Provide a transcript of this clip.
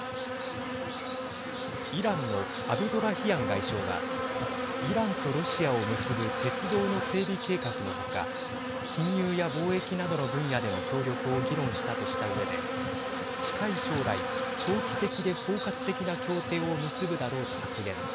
イランのアブドラヒアン外相はイランとロシアを結ぶ鉄道の整備計画の他金融や貿易などの分野での協力を議論したとしたうえで近い将来長期的で包括的な協定を結ぶだろうと発言。